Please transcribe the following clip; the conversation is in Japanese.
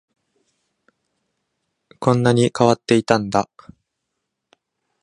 こんなに変わっていたんだ